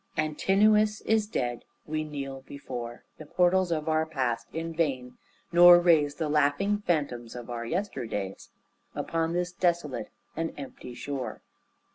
Antinous is dead, we kneel before The portals of our past in vain, nor raise The laughing phantoms of our yesterdays Upon this desolate and empty shore.